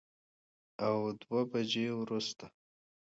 او دوو بجو وروسته